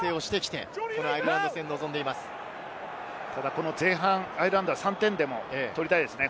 ただ前半、アイルランドは３点でも取りたいですね。